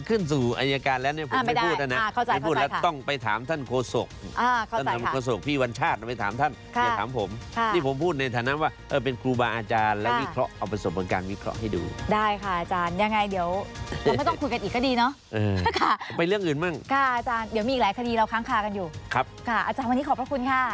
ค่ะอาจารย์เดี๋ยวอาจจะต้องดูอีกหลายรอบนะ